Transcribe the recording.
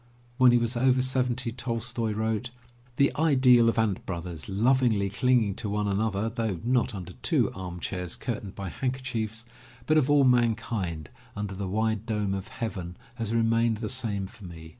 When he was over seventy Tolstoy wrote, *The ideal of *ant brothers', lovingly cling ing to one another, though not under two arm chairs curtained by handkerchiefs, but of all mankind under the wide dome of heaven, has remained the same for me.